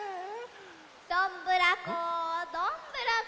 ・どんぶらこどんぶらこ。